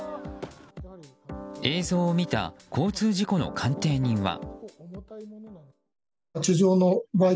映像を見た交通事故の鑑定人は。